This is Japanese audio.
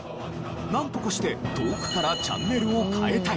なんとかして遠くからチャンネルを替えたい。